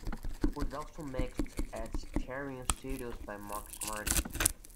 It was also mixed at Cheiron Studios by Max Martin.